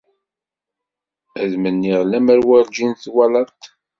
Ad menniḍ lemmer werjin twalaḍ-t.